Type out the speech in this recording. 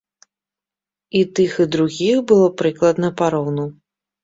І тых, і другіх было прыкладна пароўну.